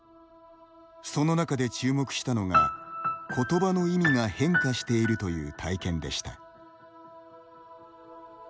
その中で注目したのが言葉の意味が変化しているという体験でした。